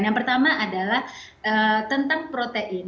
yang pertama adalah tentang protein